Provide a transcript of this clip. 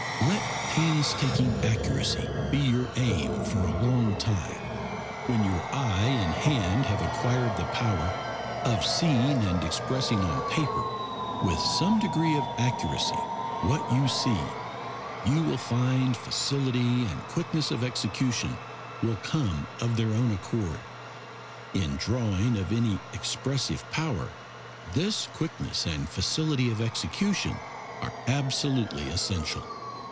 Let painstaking accuracy be your aim for a long time. When your eye and hand have acquired the power of seeing and expressing on paper with some degree of accuracy what you see, you will find facility and quickness of execution will come of their own accord. In drawing of any expressive power this quickness and facility of execution are absolutely essential.